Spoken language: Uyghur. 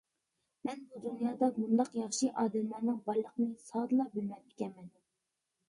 مەن بۇ دۇنيادا مۇنداق ياخشى ئادەملەرنىڭ بارلىقىنى زادىلا بىلمەپتىكەنمەن.